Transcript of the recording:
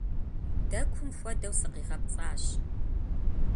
Дэкум хуэдэу сыкъигъэпцӀащ.